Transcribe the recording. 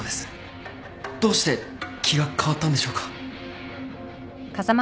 どうして気が変わったんでしょうか。